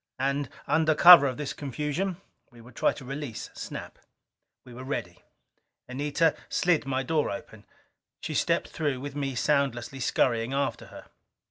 And, under cover of this confusion, we would try to release Snap. We were ready. Anita slid my door open. She stepped through, with me soundlessly scurrying after her.